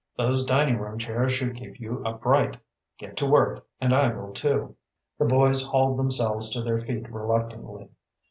Those dining room chairs should keep you upright. Get to work and I will too." The boys hauled themselves to their feet reluctantly.